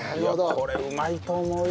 これうまいと思うよ。